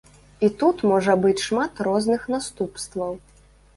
І тут можа быць шмат розных наступстваў.